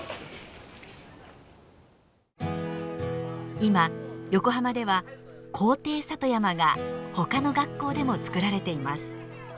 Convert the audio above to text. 今横浜では「校庭里山」が他の学校でも造られています。